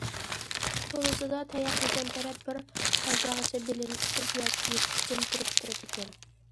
تولىسىدا تاياق يېگەن تەرەپ بىر ھازاغىچە بېلىنى تۇتۇپ ياكى يېتىپ جىم تۇرۇپ بېرىدىكەن.